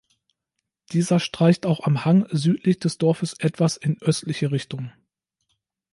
Dieser streicht auch am Hang südlich des Dorfes etwas in östliche Richtung.